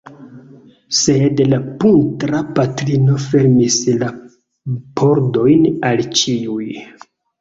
Sed la putra patrino fermis la pordojn al ĉiuj!